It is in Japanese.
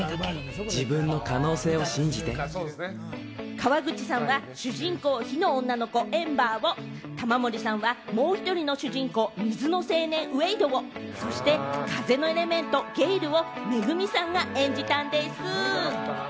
川口さんは主人公、火の女の子・エンバーを、玉森さんはもう１人の主人公・水の青年のウェイドを、そして風のエレメント・ゲイルをＭＥＧＵＭＩさんが演じたんです。